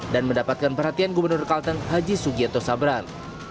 dan mendapatkan perhatian gubernur kalteng haji sugiyato sabran